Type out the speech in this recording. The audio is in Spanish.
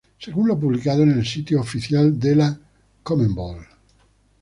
Según lo publicado en el sitio oficial de la Conmebol.